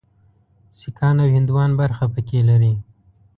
سیکهان او هندوان برخه پکې لري.